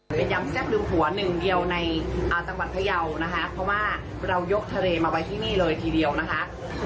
เป็นยำแซ่บลืมหัวหนึ่งเดียวในจังหวัดพยาวนะคะเพราะว่าเรายกทะเลมาไว้ที่นี่เลยทีเดียวนะคะ